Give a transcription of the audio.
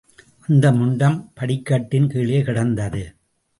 அந்த முண்டம் படிக்கட்டின் கீழே கிடந்தது.